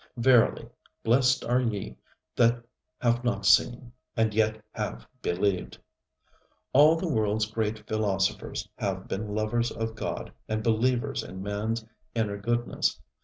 Verily, blessed are ye that have not seen, and yet have believed. All the worldŌĆÖs great philosophers have been lovers of God and believers in manŌĆÖs inner goodness.